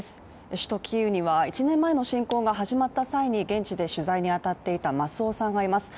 首都キーウには１年前の侵攻が始まった際に現地で取材に当たっていた増尾さんがいます。